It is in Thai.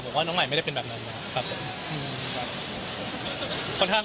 ผมว่าน้องใหม่ไม่ได้เป็นแบบนั้น